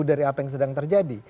dari apa yang sedang terjadi